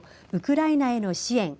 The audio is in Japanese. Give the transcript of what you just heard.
ウクライナへの支援